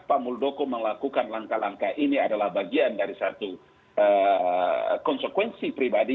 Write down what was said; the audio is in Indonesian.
pak muldoko melakukan langkah langkah ini adalah bagian dari satu konsekuensi pribadi